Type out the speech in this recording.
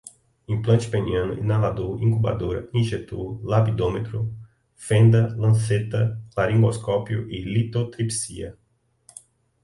implante peniano, inalador, incubadora, injetor, labidômetro, fenda, lanceta, laringoscópio, litotripsia